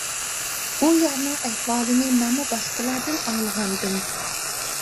ئۇ يەرنىڭ ئەھۋالىنى مەنمۇ باشقىلاردىن ئاڭلىغانىدىم.